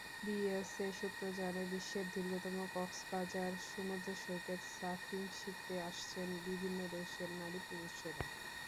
BSA সূত্র জানায়, বিশ্বের দীর্ঘতম কক্সবাজার সমুদ্রসৈকতে সার্ফিং শিখতে আসছেন বিভিন্ন দেশের নারী-পুরুষেরা।